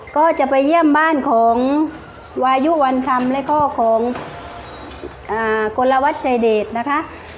ก็จะไปเยี่ยมบ้านของวายุวันคำและพ่อของกลวัตรชายเดชนะคะ